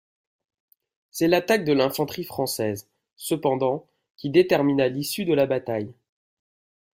C'est l'attaque de l'infanterie française, cependant, qui détermina l'issue de la bataille.